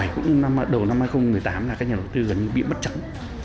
cũng đầu năm hai nghìn một mươi tám là các nhà đầu tư gần như bị mất trắng